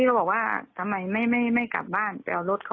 เด็กทหาร